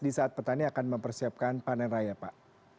di saat petani akan mempersiapkan panen raya pak